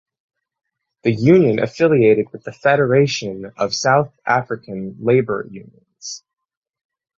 The union affiliated with the Federation of South African Labour Unions.